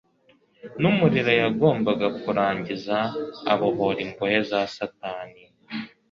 n'umurimo yagombaga kurangiza abohora imbohe za Satani.